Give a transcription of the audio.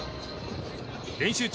練習中